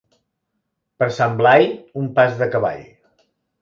Per Sant Blai, un pas de cavall.